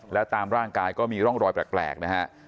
แล้วตามร่างกายก็มีร่องรอยแปลกนะฮะ